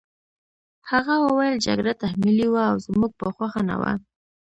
هغه وویل جګړه تحمیلي وه او زموږ په خوښه نه وه